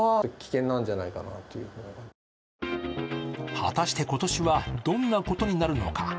果たして今年はどんなことになるのか。